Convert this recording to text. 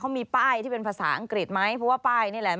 เขามีป้ายที่เป็นภาษาอังกฤษไหมเพราะว่าป้ายนี่แหละ